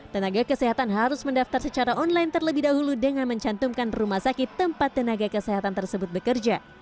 tenaga kesehatan harus mendaftar secara online terlebih dahulu dengan mencantumkan rumah sakit tempat tenaga kesehatan tersebut bekerja